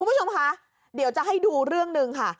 คุณผู้ชมคะเดี๋ยวจะให้ดูเรื่องหนึ่งค่ะ